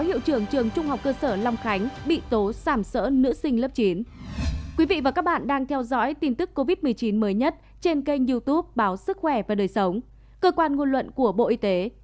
xin chào các bạn đang theo dõi tin tức covid một mươi chín mới nhất trên kênh youtube báo sức khỏe và đời sống cơ quan ngôn luận của bộ y tế